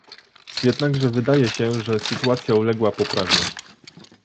Jednakże wydaje się, że sytuacja uległa poprawie